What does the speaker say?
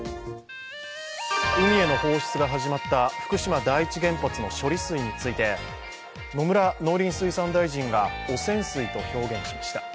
海への放出が始まった福島第一原発の処理水について、野村農林水産大臣が「汚染水」と表現しました。